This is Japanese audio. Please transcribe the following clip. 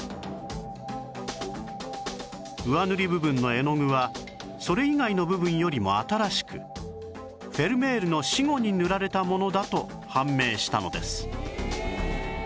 上塗り部分の絵の具はそれ以外の部分よりも新しくフェルメールの死後に塗られたものだと判明したのです